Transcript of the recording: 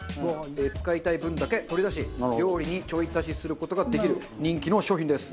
使いたい分だけ取り出し料理にちょい足しする事ができる人気の商品です。